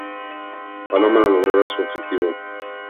Paloma logrará su objetivo.